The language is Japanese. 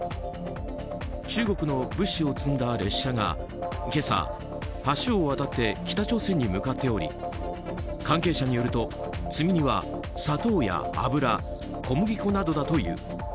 中国の物資を積んだ列車が今朝、橋を渡って北朝鮮に向かっており関係者によると、積み荷は砂糖や油、小麦粉などだという。